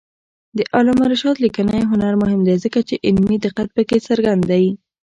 د علامه رشاد لیکنی هنر مهم دی ځکه چې علمي دقت پکې څرګند دی.